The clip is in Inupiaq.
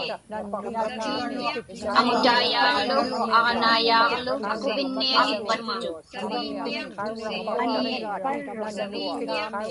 Aŋutaiyaaġlu aġnaiyaaġlu aqpattuk.